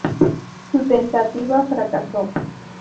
Su tentativa fracasó.